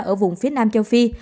ở vùng phía nam châu phi